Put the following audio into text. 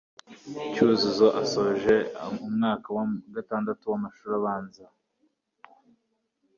Cyuzuzo asoje umwaka wa gatandatu w'amashuri abanza